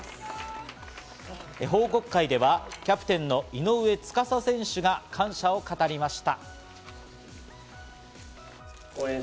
報告会ではキャプテンの井上斗嵩選手が感謝を語りました。